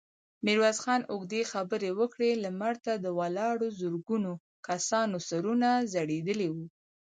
ميرويس خان اوږدې خبرې وکړې، لمر ته د ولاړو زرګونو کسانو سرونه ځړېدلي وو.